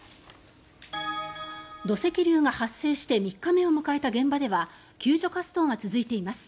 土石流が発生して３日目を迎えた現場では救助活動が続いています。